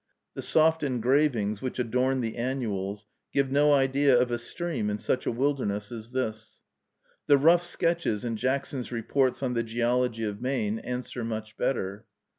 The soft engravings which adorn the annuals give no idea of a stream in such a wilderness as this. The rough sketches in Jackson's Reports on the Geology of Maine answer much better.